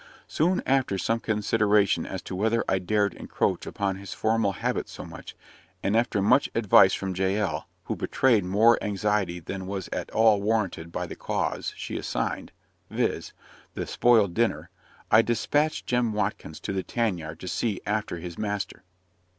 So after some consideration as to whether I dared encroach upon his formal habits so much, and after much advice from Jael, who betrayed more anxiety than was at all warranted by the cause she assigned, viz. the spoiled dinner, I despatched Jem Watkins to the tan yard to see after his master.